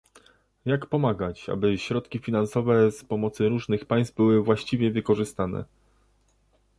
Jak pomagać, aby środki finansowe z pomocy różnych państw były właściwie wykorzystane?